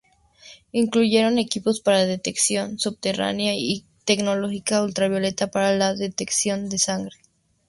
Incluyeron equipos para detección subterránea y tecnología ultravioleta para la detección de sangre.